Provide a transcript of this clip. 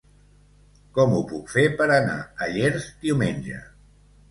Com ho puc fer per anar a Llers diumenge?